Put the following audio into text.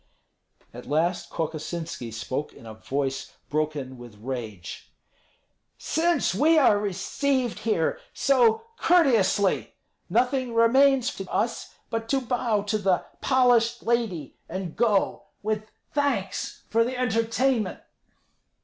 At last Kokosinski spoke in a voice broken with rage: "Since we are received here so courteously, nothing remains to us but to bow to the polished lady and go with thanks for the entertainment."